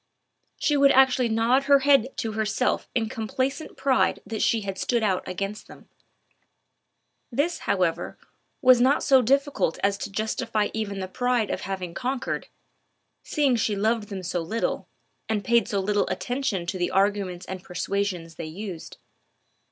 She would actually nod her head to herself in complacent pride that she had stood out against them. This, however, was not so difficult as to justify even the pride of having conquered, seeing she loved them so little, and paid so little attention to the arguments and persuasions they used.